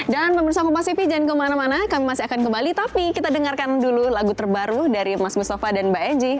dan pemerintah kompas tv jangan kemana mana kami masih akan kembali tapi kita dengarkan dulu lagu terbaru dari mas mustafa dan mbak eji